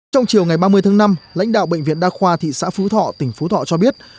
trong chiều ngày ba mươi tháng năm lãnh đạo bệnh viện đa khoa thị xã phú thọ tỉnh phú thọ cho biết